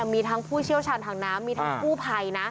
มีทั้งผู้เชี่ยวชาญทางน้ำมีทั้งกู้ภัยนะ